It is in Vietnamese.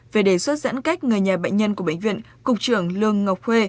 về đề xuất giãn cách người nhà bệnh nhân của bệnh viện cục trưởng lương ngọc huê